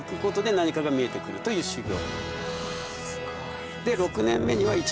何かが見えてくるという修行。